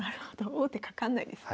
王手かかんないですね。